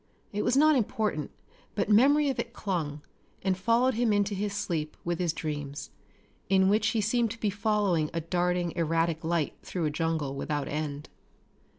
It was not important, but memory of it clung, and followed him into his sleep with his dreams in which he seemed to be following a darting, erratic light through a jungle without end.